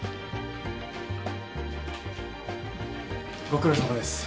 ご苦労さまです。